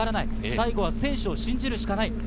最後は選手を信じるしかない。